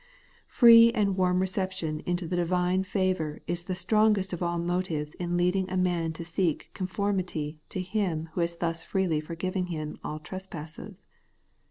Free and warm reception into the divine favour is the strongest of all motives in leading a man to seek conformity to Him who has thus freely forgiven him all trespasses.